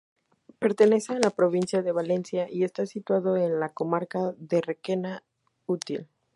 Pertenece a la provincia de Valencia y está situado en la comarca de Requena-Utiel.